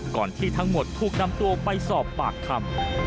ที่ทั้งหมดถูกนำตัวไปสอบปากคำ